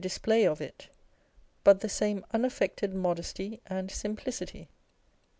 395 display of it, but the same unaffected modesty and simplicity.